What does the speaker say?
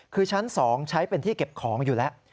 คือชั้น๒ใช้เป็นที่เก็บของอยู่แล้ว